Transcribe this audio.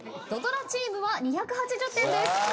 土ドラチームは２８０点です。